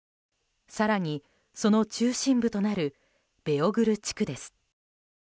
更にその中心部となるベヨグル地区です。